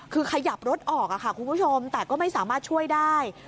คือขยับรถออกค่ะคุณผู้ชมแต่ก็ไม่สามารถช่วยได้